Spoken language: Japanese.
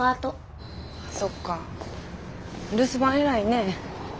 そっか留守番偉いねえ。